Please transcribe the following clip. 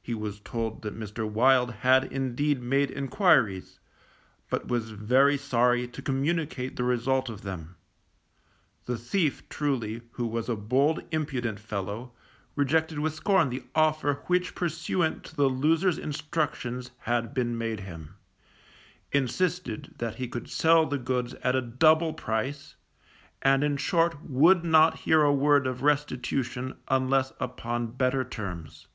He was told that Mr. Wild had indeed made enquiries, but was very sorry to communicate the result of them; the thief, truly, who was a bold impudent fellow, rejected with scorn the offer which pursuant to the loser's instructions had been made him, insisted that he could sell the goods at a double price, and in short would not hear a word of restitution unless upon better terms.